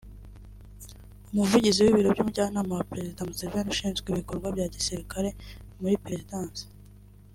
umuvugizi w’ibiro by’umujyanama wa Perezida Museveni ushinzwe ibikorwa bya gisirikare muri Perezidansi